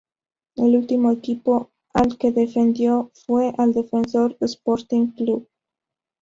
El último equipo al que defendió fue al Defensor Sporting Club.